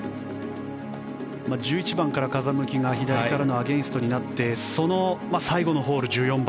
１１番から風向きが左からのアゲンストになってその最後のホール、１４番